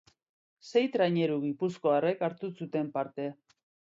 Sei traineru gipuzkoarrek hartu zuten parte.